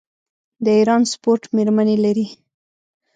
د ایران سپورټ میرمنې لري.